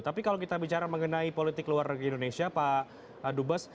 tapi kalau kita bicara mengenai politik luar negeri indonesia pak dubes